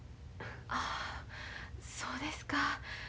あそうですか。